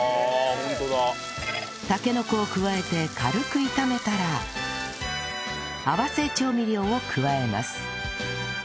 たけのこを加えて軽く炒めたら合わせ調味料を加えます